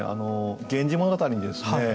「源氏物語」にですね